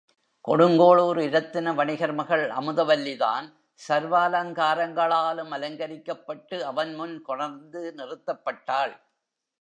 கொடுங்கோளூர் இரத்தின வணிகர் மகள் அமுதவல்லி தான் சர்வாலங்காரங்களாலும் அலங்கரிக்கப்பட்டு அவன் முன் கொணர்ந்து நிறுத்தப்பட்டாள்.